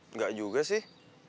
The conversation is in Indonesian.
engga juga sih